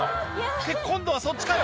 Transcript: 「って今度はそっちかよ」